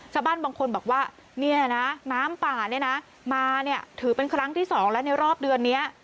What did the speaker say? ชาวบ้านบางคนบอกว่าน้ำป่ามาถือเป็นครั้งที่๒และในรอบเดือนนี้